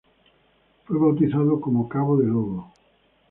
Fue bautizado como "Cabo do Lobo".